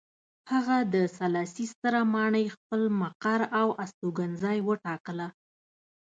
هغه د سلاسي ستره ماڼۍ خپل مقر او استوګنځی وټاکله.